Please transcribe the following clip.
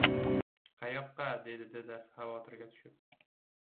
— Qayoqqa? — dedi dadasi xavotirga tushib.